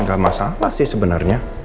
gak masalah sih sebenernya